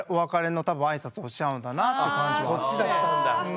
そっちだったんだ。